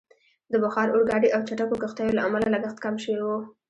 د بخار اورګاډي او چټکو کښتیو له امله لګښت کم شوی وو.